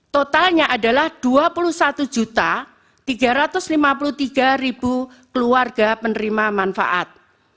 totalnya adalah dua puluh satu tiga ratus lima puluh tiga keluarga penerima manfaat